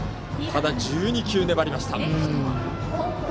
ただ、１２球粘りました。